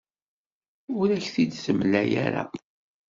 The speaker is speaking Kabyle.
Ur ak-t-id-temla ara.